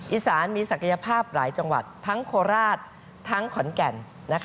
อีสานมีศักยภาพหลายจังหวัดทั้งโคราชทั้งขอนแก่น